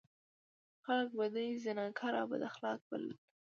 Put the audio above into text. خلکو به دوی زناکار او بد اخلاق بلل.